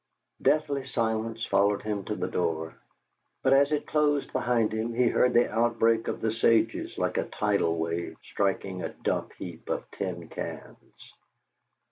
Deathly silence followed him to the door, but, as it closed behind him, he heard the outbreak of the sages like a tidal wave striking a dump heap of tin cans.